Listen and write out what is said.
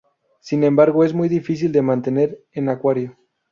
Sin embargo, es muy difícil de mantener en acuario.